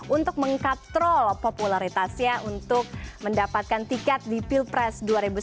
untuk mengkaptrol popularitasnya untuk mendapatkan tiket di pilpres dua ribu sembilan belas